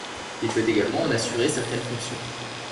Il peut également en assurer certaines fonctions.